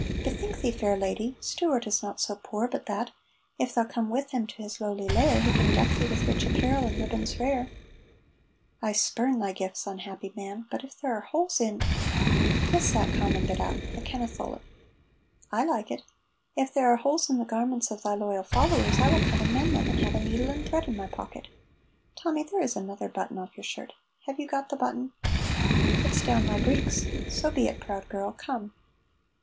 "Bethink thee, fair lady, Stuart is not so poor but that, if thou come with him to his lowly lair, he can deck thee with rich apparel and ribbons rare." "I spurn thy gifts, unhappy man, but if there are holes in " ("Miss that common bit out. I canna thole it.") ("I like it.) If there are holes in the garments of thy loyal followers, I will come and mend them, and have a needle and thread in my pocket. (Tommy, there is another button off your shirt! Have you got the button?") "(It's down my breeks.) So be it, proud girl, come!"